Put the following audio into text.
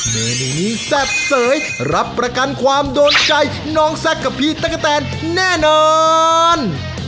เมนูนี้แซ่บเสยรับประกันความโดนใจน้องแซคกับพี่ตะกะแตนแน่นอน